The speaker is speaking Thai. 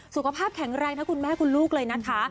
สุขภาพแข็งแรงนะคุณแม่คุณลูกเลยนะคะ